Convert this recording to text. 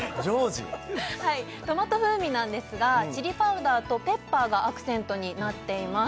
トマト風味なんですがチリパウダーとペッパーがアクセントになっています